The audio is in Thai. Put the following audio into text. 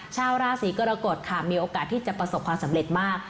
ชาวราศีกรกฎค่ะมีโอกาสที่จะประสบความสำเร็จมาก